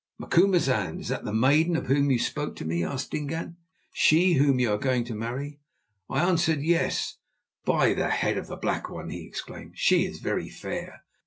"Macumazahn, is that the maiden of whom you spoke to me?" asked Dingaan; "she whom you are going to marry?" I answered, "Yes." "By the head of the Black One," he exclaimed, "she is very fair.